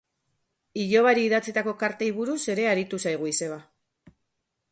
Ilobari idatzitako kartei buruz ere aritu zaigu izeba.